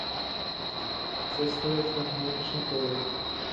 زه ستړی شوم ، نور نه شم کولی !